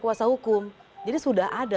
kuasa hukum jadi sudah ada